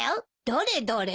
どれどれ。